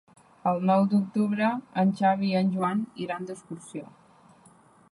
El nou d'octubre en Xavi i en Joan iran d'excursió.